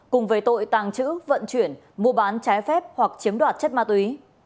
cùng về tội tàng trữ vận chuyển mua bán trái phép hoặc chiếm đoạt chất ma túy